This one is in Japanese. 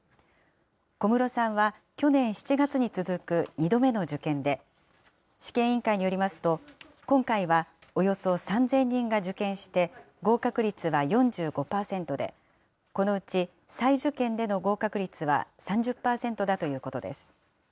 小室さんは去年７月に続く２度目の受験で、試験委員会によりますと、今回はおよそ３０００人が受験して、合格率は４５％で、このうち再受験での合格率は３０％だということです。